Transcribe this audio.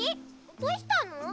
どうしたの？